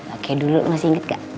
oke dulu masih ingat gak